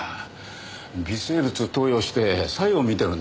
微生物を投与して作用を見てるんだ。